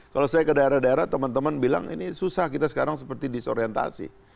kalau saya ke daerah daerah teman teman bilang ini susah kita sekarang seperti disorientasi